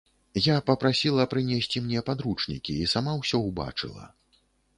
Я папрасіла прынесці мне падручнікі і сама ўсё ўбачыла.